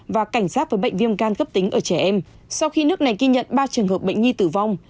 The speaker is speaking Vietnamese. và cảnh sát với bệnh viêm gan cấp tính ở trẻ em sau khi nước này ghi nhận ba trường hợp bệnh nhi tử vong